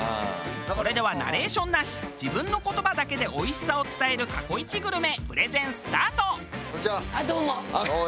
それではナレーションなし自分の言葉だけで美味しさを伝える過去イチグルメプレゼンスタート！